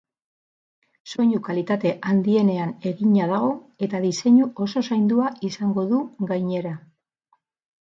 Soinu kalitate handienean egina dago eta diseinu oso zaindua izango du, gainera.